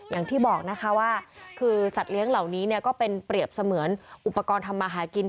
อย่างที่บอกนะคะว่าคือสัตว์เลี้ยงเหล่านี้ก็เป็นเปรียบเสมือนอุปกรณ์ทำมาหากิน